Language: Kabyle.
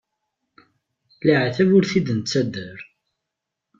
Leɛtab ur t-id-nettader.